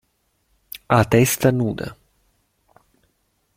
A testa nuda.